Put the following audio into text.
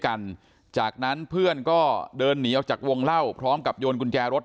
กันจากนั้นเพื่อนก็เดินหนีออกจากวงเล่าพร้อมกับโยนกุญแจรถ